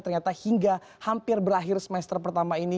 ternyata hingga hampir berakhir semester pertama ini